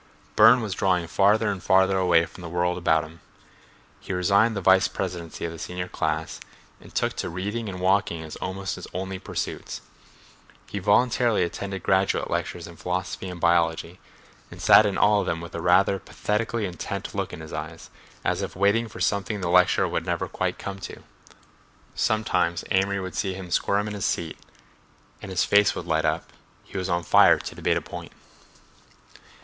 Burne was drawing farther and farther away from the world about him. He resigned the vice presidency of the senior class and took to reading and walking as almost his only pursuits. He voluntarily attended graduate lectures in philosophy and biology, and sat in all of them with a rather pathetically intent look in his eyes, as if waiting for something the lecturer would never quite come to. Sometimes Amory would see him squirm in his seat; and his face would light up; he was on fire to debate a point.